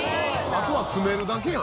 あとは詰めるだけやん。